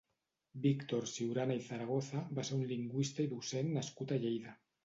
Víctor Siurana i Zaragoza va ser un lingüista i docent nascut a Lleida.